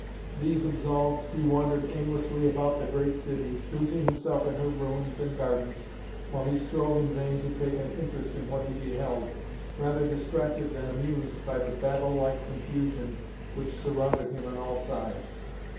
These absolved, he wandered aimlessly about the great city, losing himself in her ruins and gardens, while he strove in vain to take an interest in what he beheld, rather distracted than amused by the Babel like confusion which surrounded him on all sides.